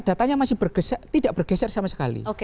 datanya masih bergeser tidak bergeser sama sekali